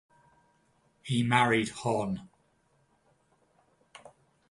He married Hon.